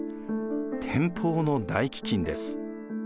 天保の大飢饉です。